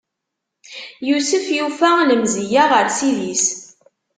Yusef yufa lemzeyya ɣer Ssid-is.